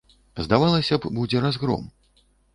Здавалася б, будзе разгром.